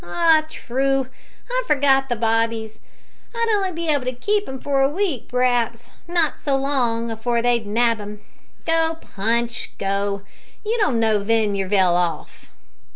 "Ah! true, I forgot the bobbies. I'd on'y be able to keep 'im for a week, p'r'aps not so long, afore they'd nab him. Go, Punch, go, you don't know ven you're vell off."